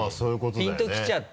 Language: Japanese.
ピンときちゃって。